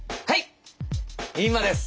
今です！